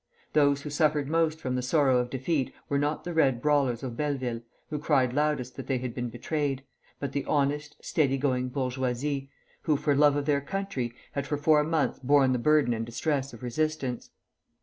Those who suffered most from the sorrow of defeat were not the Red brawlers of Belleville, who cried loudest that they had been betrayed, but the honest, steady going bourgeoisie, who for love of their country had for four months borne the burden and distress of resistance.